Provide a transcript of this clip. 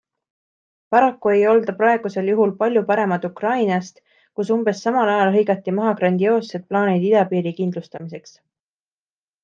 Paraku ei olda praegusel juhul palju paremad Ukrainast, kus umbes samal ajal hõigati maha grandioossed plaanid idapiiri kindlustamiseks.